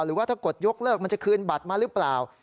หรือว่าถ้ากดยกเลิกมันจะคืนบัตรมาหรือเปล่า